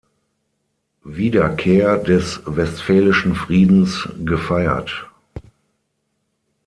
Wiederkehr des Westfälischen Friedens gefeiert.